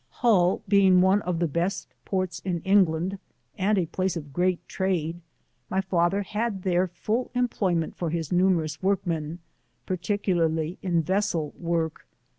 Hull being one of the best ports in England, and a place of great trade, my father had there full employment for his numer ous workmen, particularly in vessel work.